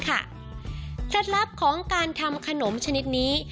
เคล็ดลับของการทำขนมชนิดนี้